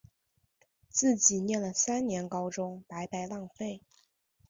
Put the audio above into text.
自己念了三年高中白白浪费